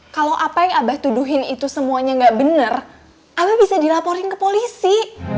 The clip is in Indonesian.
kalau apa yang abah tuduhin itu semuanya nggak benar abah bisa dilaporin ke polisi